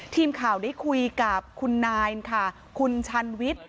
ทีมข่าวได้คุยกับคุณนายค่ะคุณชันวิทย์